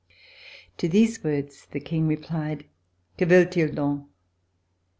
To these words the King replied: "Que veulent ils done?"